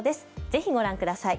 ぜひご覧ください。